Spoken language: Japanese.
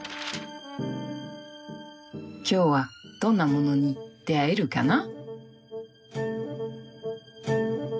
今日はどんなものに出会えるかな。